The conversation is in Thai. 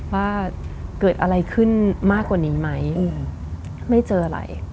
ว่าเกิดอะไรขึ้นมากกว่านี้ไหมไม่เจออะไร